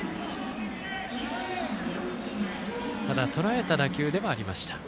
ただ、とらえた打球ではありました。